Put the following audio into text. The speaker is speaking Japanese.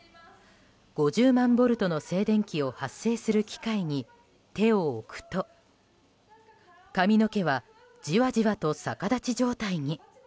５０万ボルトの静電気を発生する機械に手を置くと髪の毛はじわじわと逆立ち状態に。